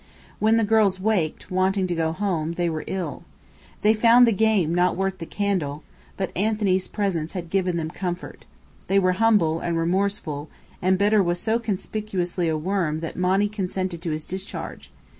When the girls waked, wanting to go home, they were ill. They found the game not worth the candle but Anthony's presence had given them comfort. They were humble, and remorseful; and Bedr was so conspicuously a worm that Monny consented to his discharge.